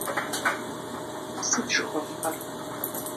Сыт жыхуэфӀэр?